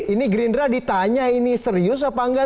ini green drive ditanya ini serius apa nggak